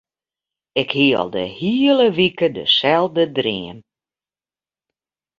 Ik hie al de hiele wike deselde dream.